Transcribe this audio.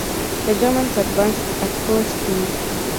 The Germans advanced at full speed.